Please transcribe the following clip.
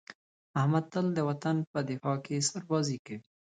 احمد تل د وطن په دفاع کې سربازي کوي.